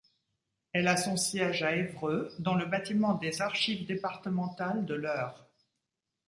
Elle a son siège à Évreux, dans le bâtiment des Archives départementales de l'Eure.